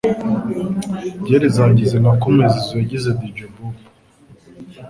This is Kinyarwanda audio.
Byeri zangize nka kumwe Zizou yagize Dj Bob